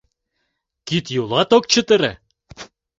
— Кид-йолат ок чытыре?